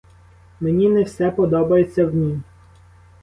Мені не все подобається в ній.